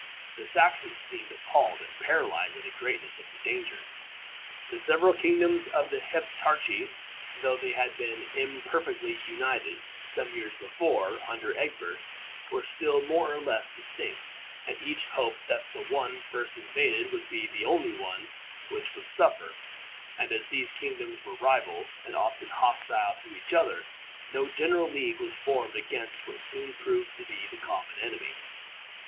The Saxons seemed appalled and paralyzed at the greatness of the danger. The several kingdoms of the Heptarchy, though they had been imperfectly united, some years before, under Egbert, were still more or less distinct, and each hoped that the one first invaded would be the only one which would suffer; and as these kingdoms were rivals, and often hostile to each other, no general league was formed against what soon proved to be the common enemy.